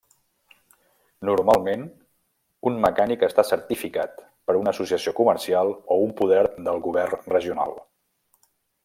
Normalment, un mecànic està certificat per una associació comercial o un poder del govern regional.